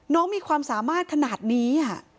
มีความสามารถขนาดนี้